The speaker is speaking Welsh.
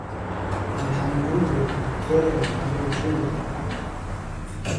Mae gan y gwryw gorn ar ei drwyn.